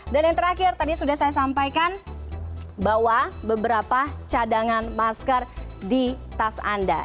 dan yang terakhir tadi sudah saya sampaikan bawa beberapa cadangan masker di tas anda